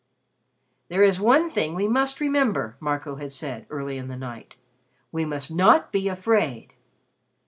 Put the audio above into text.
"There is one thing we must remember," Marco had said, early in the night. "We must not be afraid."